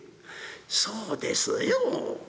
「そうですよ。